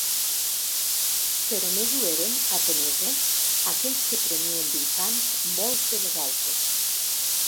Però més ho eren, atenesos, aquells que prenien d'infants molts de vosaltres.